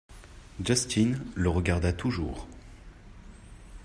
Justin le regarda toujours.